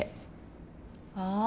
ああ。